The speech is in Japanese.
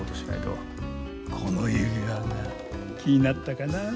この指輪が気になったかな。